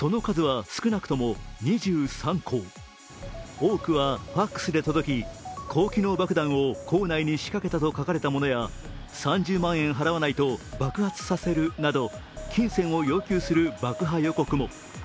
多くはＦＡＸで届き高機能爆弾を構内に仕掛けたと書かれたものや３０万円払わないと爆発させるなど金銭を要求する爆破予告も。